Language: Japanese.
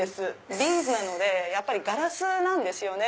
ビーズなのでやっぱりガラスなんですよね。